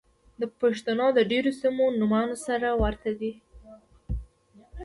د پښتنو د ډېرو سيمو نومان سره ورته دي.